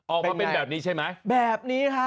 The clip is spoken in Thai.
ออกมาเป็นแบบนี้ใช่ไหมแบบนี้ค่ะ